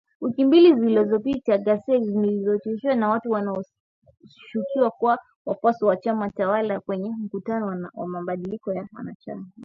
Wiki mbili zilizopita, ghasia zilizochochewa na watu wanaoshukiwa kuwa wafuasi wa chama tawala kwenye mkutano wa mabadiliko ya wananchi.